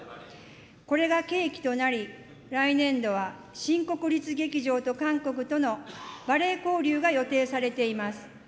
これが契機となり、来年度は新国立劇場と韓国とのバレエ交流が予定されています。